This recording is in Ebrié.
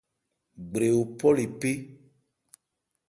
Gbrewo phɔ̂ le phé.